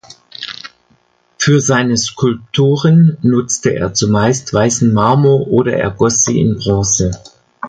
Für seine Skulpturen nutzte er zumeist weißen Marmor oder er goss sie in Bronze.